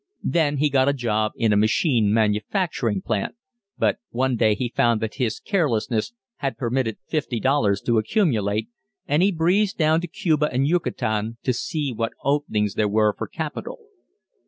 Then he got a job in a machine manufacturing plant, but one day he found that his carelessness had permitted fifty dollars to accumulate, and he breezed down to Cuba and Yucatan to see what openings there were for capital.